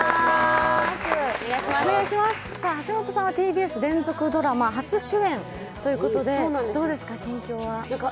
橋本さんはＴＢＳ連続ドラマ初主演ということで、心境はどうですか？